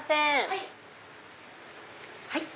はい。